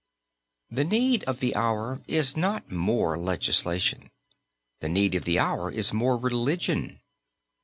"The need of the hour is not more legislation. The need of the hour is more religion.